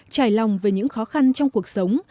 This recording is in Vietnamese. trải lòng về những khó khăn trong cuộc sống